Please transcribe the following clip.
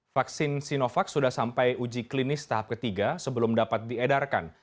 vaksin sinovac sudah sampai uji klinis tahap ketiga sebelum dapat diedarkan